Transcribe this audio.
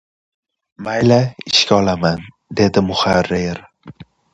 — Mayli, ishga olaman, — dedi muharrir.